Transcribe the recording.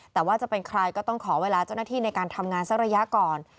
แต่ว่าจะเป็นใครก็ต้องขอเวลาเจ้าหน้าที่ในการทำงานสักระยะก่อน